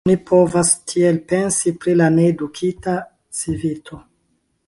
Oni povas tiel pensi pri la needukita civito.